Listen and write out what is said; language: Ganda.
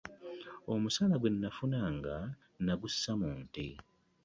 Omusaala gwe nafunanga nagussa mu nte.